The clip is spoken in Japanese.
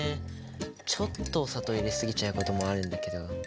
ちょっとお砂糖入れ過ぎちゃうこともあるんだけど。